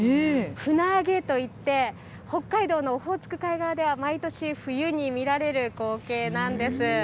船あげといって、北海道のオホーツク海側では、毎年冬に見られる光景なんです。